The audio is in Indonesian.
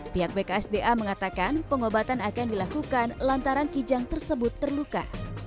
pihak bksda mengatakan pengobatan akan dilakukan lantaran kijang tersebut terluka